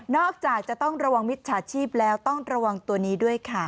จากจะต้องระวังมิจฉาชีพแล้วต้องระวังตัวนี้ด้วยค่ะ